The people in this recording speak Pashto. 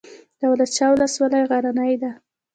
دولت شاه ولسوالۍ غرنۍ ده؟